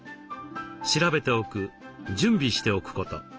調べておく準備しておくこと。